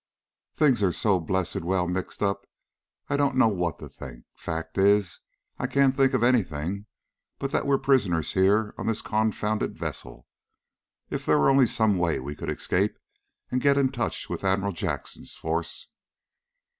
Things are so blessed well mixed up I don't know what to think. Fact is, I can't think of anything but that we're prisoners here on this confounded vessel. If there were only some way we could escape and get in touch with Admiral Jackson's force."